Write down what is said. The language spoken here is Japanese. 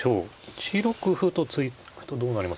１六歩と突くとどうなりますか。